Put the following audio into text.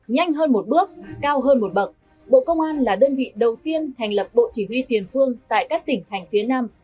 nhanh hơn một bước cao hơn một bậc bộ công an là đơn vị đầu tiên thành lập bộ chỉ huy tiền phương tại các tỉnh thành phía nam